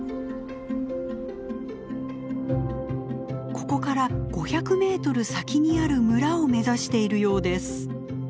ここから５００メートル先にある村を目指しているようです。